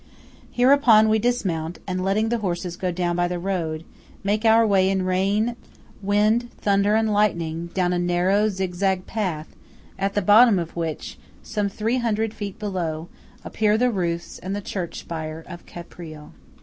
Hereupon we dismount and letting the horses go down by the road, make our way in rain, wind, thunder and lightning, down a narrow zigzag path at the bottom of which, some 300 feet below, appear the roofs and the church spire of Caprile.